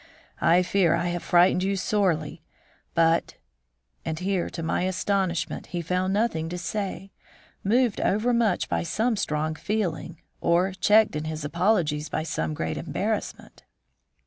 I fear I have frightened you sorely, but " And here, to my astonishment, he found nothing to say, moved overmuch by some strong feeling, or checked in his apologies by some great embarrassment.